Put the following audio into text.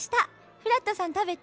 フラットさん食べて。